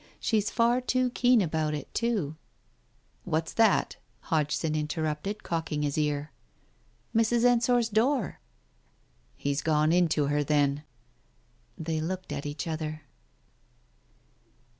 She's far too keen about it, too " "What's that?" Hodgson interrupted, cocking his ear. "Mrs. Ensor's door !"" He's gone in to her, then !" They looked at each other.